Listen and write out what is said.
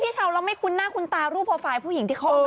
พี่เช้าเราไม่คุ้นหน้าคุณตารูปโพรไฟล์ผู้หญิง